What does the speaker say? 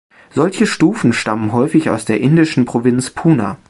Solche Stufen stammen häufig aus der indischen Provinz Poona.